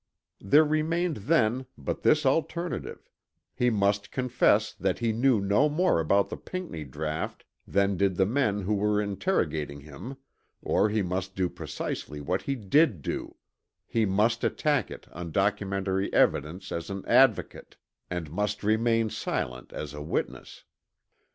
There remained then but this alternative; he must confess that he knew no more about the Pinckney draught than did the men who were interrogating him or he must do precisely what he did do, he must attack it on documentary evidence as an advocate, and must remain silent as a witness.